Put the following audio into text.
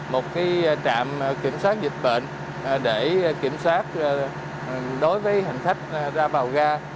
một trạm kiểm soát dịch bệnh để kiểm soát đối với hành khách ra vào ga